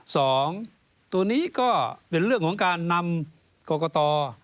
สองตัวนี้ก็เป็นเรื่องของการนำกรกต